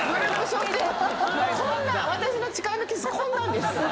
こんな私の誓いのキスこんなんです。